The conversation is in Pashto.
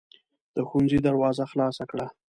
د ښوونځي دروازه خلاصه کړه.